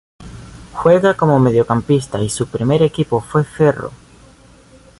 Juega como mediocampista y su primer equipo fue Ferro.